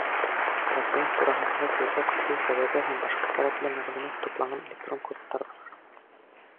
Пациент тураһындағы, сирләп китеү сәбәбе һәм башҡа кәрәкле мәғлүмәт тупланған электрон кодтар ҙа бар.